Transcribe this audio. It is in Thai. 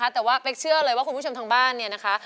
แต่ว่าเป๊กเชื่อเลยว่าคุณผู้ชมทางบ้านเนี่ยนะคะ